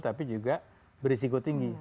tapi juga berisiko tinggi